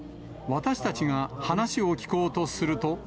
私たちが話を聞こうとすると。